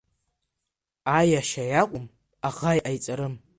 Аиашьа иакәым, аӷа иҟаиҵарым…